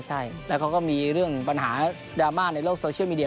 ใช่แล้วเขาก็มีเรื่องปัญหาดราม่าในโลกโซเชียลมีเดีย